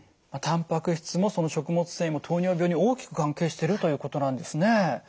たんぱく質も食物繊維も糖尿病に大きく関係してるということなんですね。